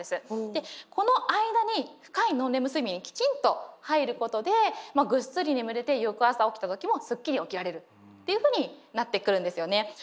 でこの間に深いノンレム睡眠にきちんと入ることでぐっすり眠れて翌朝起きた時もすっきり起きられるっていうふうになってくるんですよね。